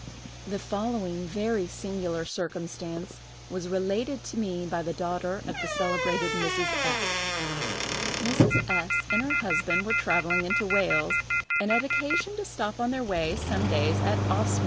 The following very singular circumstance was related to me by the daughter of the celebrated Mrs. S——: Mrs. S—— and her husband were travelling into Wales, and had occasion to stop on their way, some days, at Oswestry.